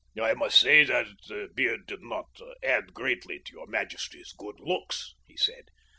"I must say that the beard did not add greatly to your majesty's good looks," he said.